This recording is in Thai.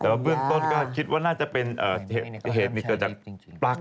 แต่ว่าเบื้องต้นก็คิดว่าน่าจะเป็นเหตุนี้เกิดจากปลั๊ก